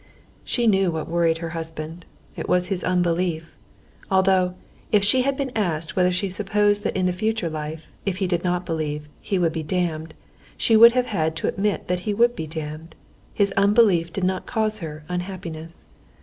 She knew what worried her husband. It was his unbelief. Although, if she had been asked whether she supposed that in the future life, if he did not believe, he would be damned, she would have had to admit that he would be damned, his unbelief did not cause her unhappiness.